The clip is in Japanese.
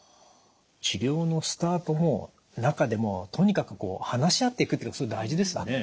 治療のスタートも中でもとにかく話し合っていくってことが大事ですかね。